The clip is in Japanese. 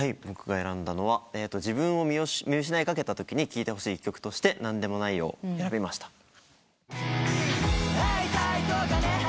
僕が選んだのは自分を見失いかけたときに聴いてほしい曲として『なんでもないよ、』を選びました。